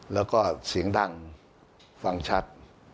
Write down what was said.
แล้วก็เสียงดังฟังชัด